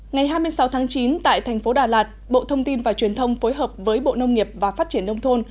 ngày hai mươi sáu tháng chín tại thành phố đà lạt bộ thông tin và truyền thông phối hợp với bộ nông nghiệp và phát triển nông thôn